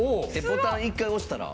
ボタン１回押したら？